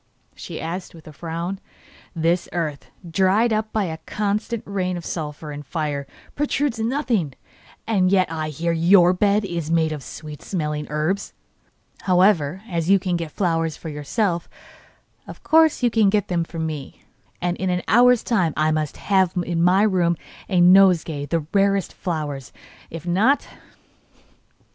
she asked, with a frown. 'This earth, dried up by a constant rain of sulphur and fire, produces nothing, yet I hear that YOUR bed is made of sweet smelling herbs. However, as you can get flowers for yourself, of course you can get them for me, and in an hour's time I must have in my room a nosegay of the rarest flowers. If not